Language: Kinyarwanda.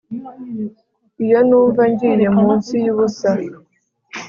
iyo numva ngiye munsi yubusa